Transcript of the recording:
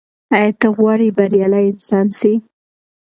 ایا ته غواړې بریالی انسان سې؟